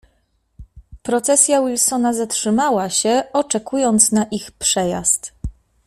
"Procesja Wilsona zatrzymała się, oczekując na ich przejazd."